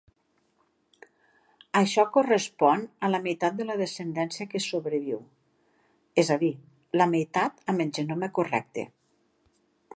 Això correspon a la meitat de la descendència que sobreviu; és a dir, la meitat amb el genoma correcte.